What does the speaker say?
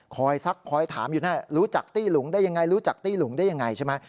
คอยซักคอยถามอยู่หน้ารู้จักตี้หลุงได้อย่างไร